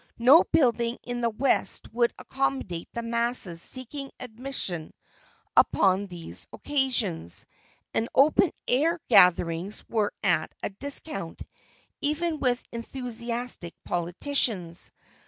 No building in the West would accommodate the masses seeking admission upon these occasions, and "open air" gatherings were at a discount, even with enthusiastic politicians.